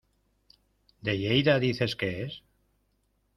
¿De Lleida dices que es?